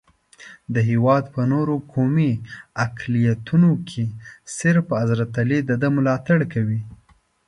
د هېواد په نورو قومي اقلیتونو کې صرف حضرت علي دده ملاتړ کوي.